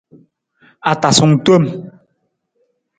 Atasung tom.